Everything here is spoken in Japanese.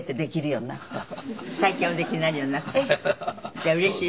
じゃあうれしい？